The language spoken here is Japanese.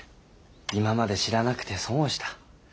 今まで知らなくて損をした。